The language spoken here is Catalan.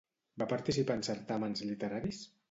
Va participar en certàmens literaris?